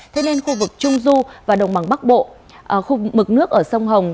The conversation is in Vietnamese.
thế nên khu vực trung du và đồng bằng bắc bộ khu mực nước ở sông hồng